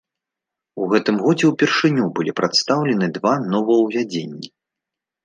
У гэтым годзе ўпершыню былі прадстаўлены два новаўвядзенні.